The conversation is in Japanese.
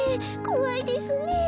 こわいですねえ。